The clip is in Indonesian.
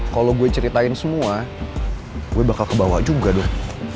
kalo gue ceritain semua gue bakal kebawa juga dong